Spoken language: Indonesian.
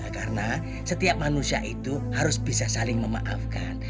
karena setiap manusia itu harus bisa saling memaafkan